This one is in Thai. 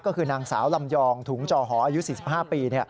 ก็คือนางสาวลำยองถุงจอหออายุ๔๕ปี